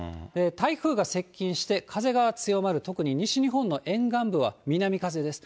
台風が接近して風が強まる、特に西日本の沿岸部は南風です。